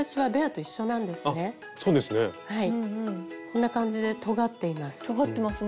こんな感じでとがっています。